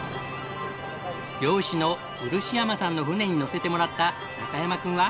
漁師の漆山さんの船に乗せてもらった中山君は。